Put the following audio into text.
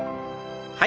はい。